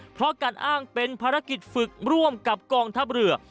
เพราะการอ้างเป็นภารกิจฝึกร่วมกับกองทัพเรือ